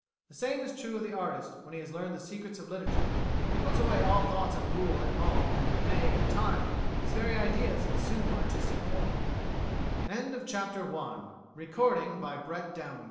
The same is true of the artist: when he has learned the secrets of literature, he puts away all thoughts of rule and law nay, in time, his very ideas assume artistic form. FOOTNOTES: [1:A] The New Century Review, vol.